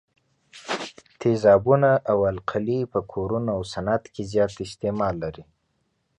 تیزابونه او القلي په کورونو او صنعت کې زیات استعمال لري.